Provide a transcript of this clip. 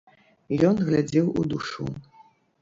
Ён глядзеў у душу!